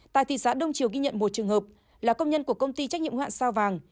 tại thị xã đông triều ghi nhận một trường hợp là công nhân của công ty trách nhiệm hoạn sao vàng